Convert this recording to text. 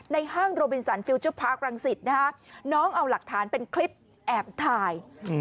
ห้างโรบินสันฟิลเจอร์พาร์ครังสิตนะฮะน้องเอาหลักฐานเป็นคลิปแอบถ่าย